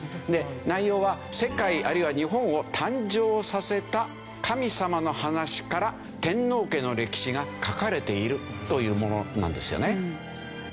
内容は世界あるいは日本を誕生させた神様の話から天皇家の歴史が書かれているというものなんですよね。